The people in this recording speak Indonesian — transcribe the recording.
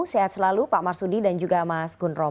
sehat selalu pak marsudi dan juga mas gun rom